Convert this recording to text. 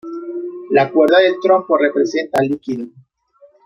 La cuerda del trompo representa al líquido.